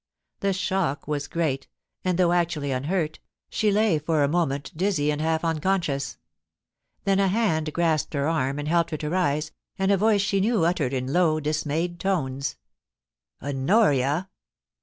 The shock was great, and, though actually unhurt, she lay for a moment dizzy and half unconscious. Then a hand grasped her arm SA VED, 353 and helped her to rise, and a voice she knew, uttered in low dismayed tones :* Honoria